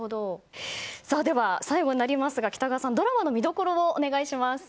では最後になりますが北川さんドラマの見どころをお願いいたします。